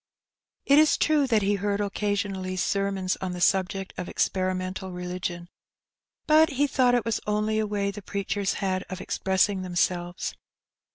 It is true that he heard occasionally sermons on the subject of ex perimental religion, but he thought it was only a way the preachers had of expressing themselves.